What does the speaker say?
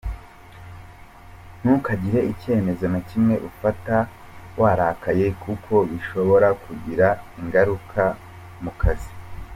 Ntukagire icyemezo na kimwe ufata warakaye, kuko bishobora kugira ingaruka mu kazi.